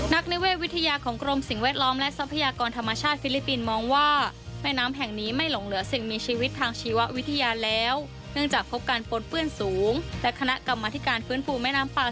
นักนิเววิทยาของกรมสิ่งเวดล้อมและทรัพยากรธรรมชาติฟิลิปินส์มองว่า